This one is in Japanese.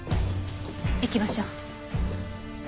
行きましょう。